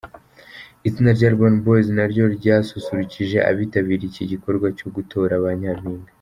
Itsinda rya Urban Boys naryo ryasusurukije abitabiriye iki gikorwa cyo gutora ba nyampinga.